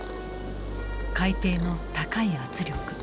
海底の高い圧力